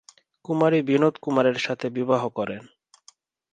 কুমারী বিনোদ কুমারের সাথে বিবাহ করেন।